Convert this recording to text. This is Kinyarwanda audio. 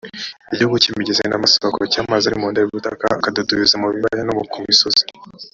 igihugu cy’imigezi n’amasoko, cy’amazi ari mu nda y’ubutaka akadudubiza mu bibaya no ku misozi,